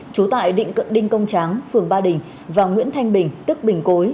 trú tại định cận đinh công tráng phường ba đình và nguyễn thanh bình tức bình cối